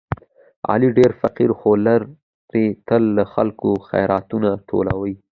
علي ډېر فقیر خوی لري، تل له خلکو خیراتونه ټولوي.